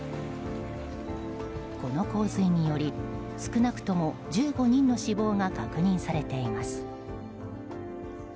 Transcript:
この洪水により少なくとも１５人の死亡が確認されています。